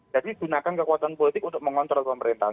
gunakan kekuatan politik untuk mengontrol pemerintahan